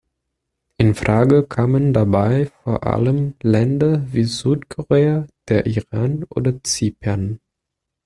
In Frage kamen dabei vor allem Länder wie Südkorea, der Iran oder Zypern.